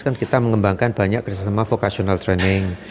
kan kita mengembangkan banyak kerjasama vocational training